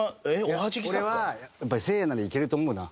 俺はやっぱりせいやならいけると思うな。